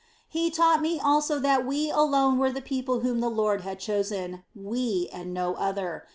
"He taught me also that we alone were the people whom the Lord had chosen, we and no other.